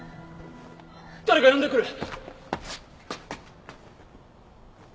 誰か呼んでくる！